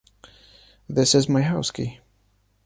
This is my house key.